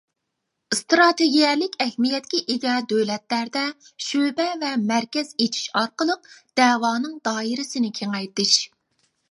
ئىستراتېگىيەلىك ئەھمىيەتكە ئىگە دۆلەتلەردە شۆبە ۋە مەركەز ئېچىش ئارقىلىق دەۋانىڭ دائىرىسىنى كېڭەيتىش.